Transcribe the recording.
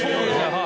はい。